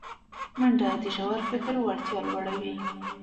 منډه د ژور فکر وړتیا لوړوي